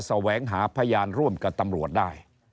แสวงหาพยานร่วมกับตำรวจได้